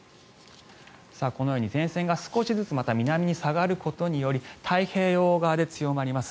このように前線が南に下がることにより太平洋側で強まります。